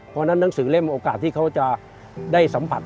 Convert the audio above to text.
เพราะฉะนั้นหนังสือเล่มโอกาสที่เขาจะได้สัมผัส